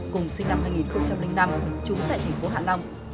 cùng sinh năm hai nghìn năm trúng tại tp hạ long